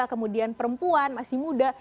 kemudian perempuan masih muda